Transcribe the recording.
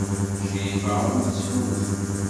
Crifa ur tettfunzur.